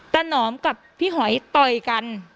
หนอมกับพี่หอยต่อยกัน